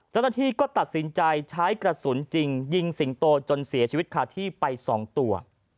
เจ้าหน้าที่ก็ตัดสินใจใช้กระสุนจริงยิงสิงโตจนเสียชีวิตคาที่ไป๒ตัว